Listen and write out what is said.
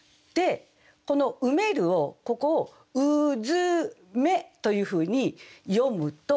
この「埋める」をここを「うづめ」というふうに詠むと。